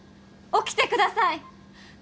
起きてください。